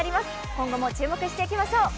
今後も注目していきましょう。